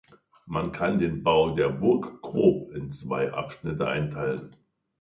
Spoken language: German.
Man kann den Bau der Burg grob in zwei Abschnitte einteilen.